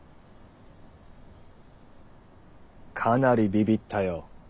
かなりビビったよ。